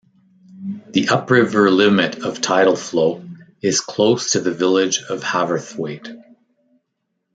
The upriver limit of tidal flow is close to the village of Haverthwaite.